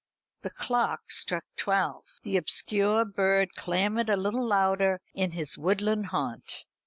The clock struck twelve. The obscure bird clamoured a little louder in his woodland haunt.